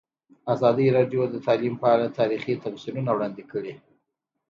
ازادي راډیو د تعلیم په اړه تاریخي تمثیلونه وړاندې کړي.